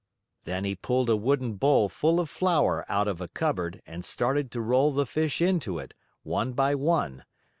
Then he pulled a wooden bowl full of flour out of a cupboard and started to roll the fish into it, one by one.